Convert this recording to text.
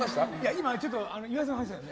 今ちょっと岩井さんと話してた。